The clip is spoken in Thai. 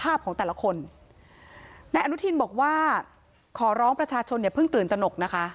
ของแต่ละคนนายอนุทินบอกว่าขอร้องประชาชนอย่าเพิ่งตื่นตนกนะคะ